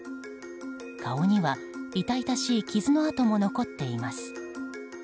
顔には痛々しい傷の痕も残っています。